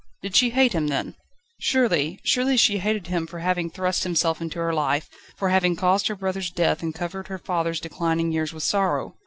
Did she hate him, then? Surely, surely she hated him for having thrust himself into her life, for having caused her brother's death and covered her father's declining years with sorrow.